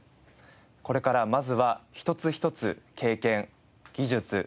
これからまずは一つ一つ経験技術